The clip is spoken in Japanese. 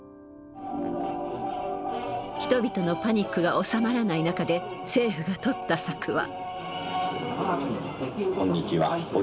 人々のパニックが収まらない中で政府が取った策は。